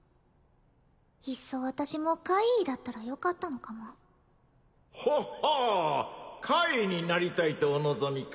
いっそ私も怪異だったらよかったのかもほほう怪異になりたいとお望みか